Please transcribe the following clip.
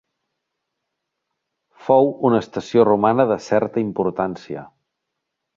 Fou una estació romana de certa importància.